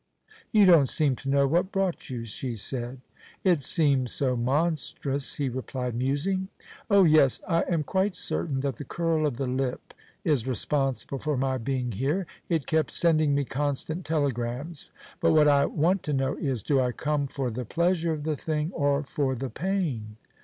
"You don't seem to know what brought you," she said. "It seems so monstrous," he replied, musing. "Oh, yes, I am quite certain that the curl of the lip is responsible for my being here; it kept sending me constant telegrams; but what I want to know is, do I come for the pleasure of the thing or for the pain?